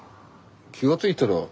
気が付いたら。